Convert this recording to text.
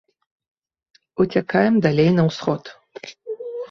Уцякаем далей на ўсход.